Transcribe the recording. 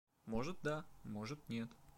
Может, да, может, нет.